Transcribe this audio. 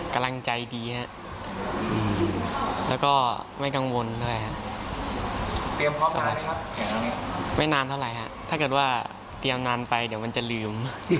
กำลังใจดีครับแล้วก็ไม่กังวลด้วยครับไม่นานเท่าไหร่ฮะถ้าเกิดว่าเตรียมนานไปเดี๋ยวมันจะลืม